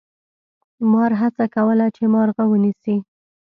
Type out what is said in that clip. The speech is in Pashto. مار هڅه کوله چې کارغه ونیسي.